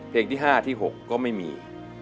เพลงที่๕ที่๖ก็ไม่มี